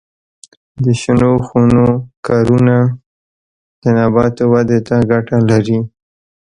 د شنو خونو کارونه د نباتاتو ودې ته ګټه لري.